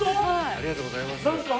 ありがとうございます。